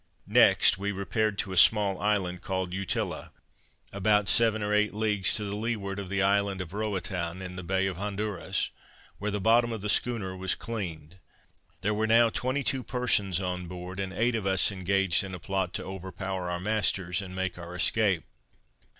Next we repaired to a small island called Utilla, about seven or eight leagues to leeward of the island of Roatan, in the Bay of Honduras, where the bottom of the schooner was cleaned. There were now twenty two persons on board, and eight of us engaged in a plot to overpower our masters, and make our escape.